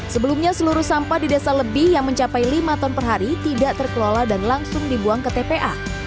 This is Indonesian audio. sebelumnya seluruh sampah di desa lebih yang mencapai lima ton per hari tidak terkelola dan langsung dibuang ke tpa